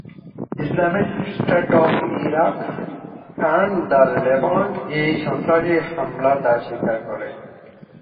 Islamic State of Iraq and the Levant এই সন্ত্রাসী হামলার দায় স্বীকার করে।